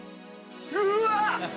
うわっ！